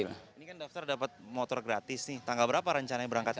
ini kan daftar dapat motor gratis nih tanggal berapa rencananya berangkat